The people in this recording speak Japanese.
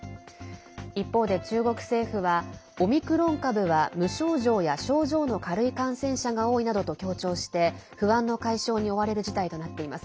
一方で中国政府はオミクロン株は無症状や症状の軽い感染者が多いなどと強調して不安の解消に追われる事態となっています。